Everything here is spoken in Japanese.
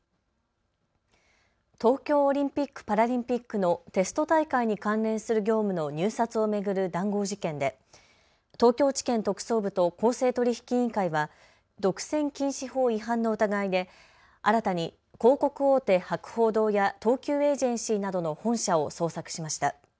東京オリンピック・パラリンピックのテスト大会に関連する業務の入札を巡る談合事件で東京地検特捜部と公正取引委員会は独占禁止法違反の疑いで新たに広告大手、博報堂や東急エージェンシーなどの本社を捜索しました。